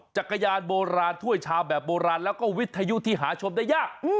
จักรยานโบราณถ้วยชามแบบโบราณแล้วก็วิทยุที่หาชมได้ยาก